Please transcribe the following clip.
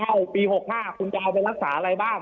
อ้าวปี๖๕คุณยาวไปรักษาอะไรบ้าง